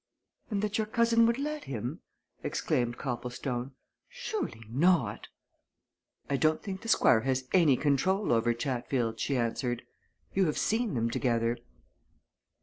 "And that your cousin would let him?" exclaimed Copplestone. "Surely not!" "I don't think the Squire has any control over Chatfield," she answered. "You have seen them together."